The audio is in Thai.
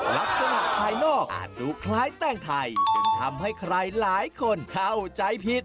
ลักษณะภายนอกอาจดูคล้ายแป้งไทยจึงทำให้ใครหลายคนเข้าใจผิด